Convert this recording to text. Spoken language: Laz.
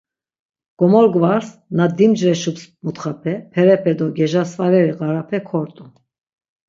Gomorgvas na dimcveşups mutxape, perepe do gejasvareri ğarape kort̆u.